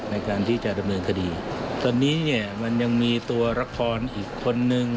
ในการที่จะดำเนินคดีตอนนี้เนี่ยมันยังมีตัวละครอีกคนนึง